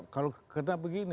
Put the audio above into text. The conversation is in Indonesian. kalau saya enggak